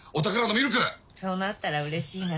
そうなったらうれしいな。